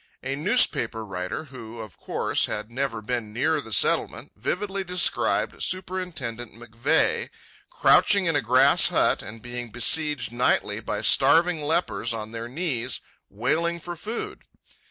A newspaper writer, who, of course, had never been near the Settlement, vividly described Superintendent McVeigh, crouching in a grass hut and being besieged nightly by starving lepers on their knees, wailing for food.